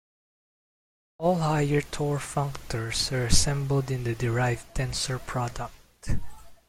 All higher Tor functors are assembled in the derived tensor product.